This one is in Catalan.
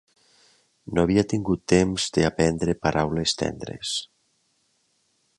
No havia tingut temps de aprendre paraules tendres